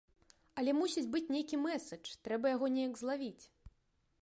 Але мусіць быць нейкі мэсэдж, трэба яго неяк злавіць.